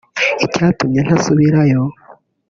icyatumye ntasubirayo